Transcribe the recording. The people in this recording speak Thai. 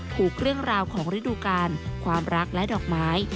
ถูกเรื่องราวของฤดูกาลความรักและดอกไม้